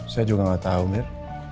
saya juga gak tau mir